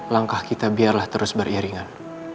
langkah kita biarlah terus beriringan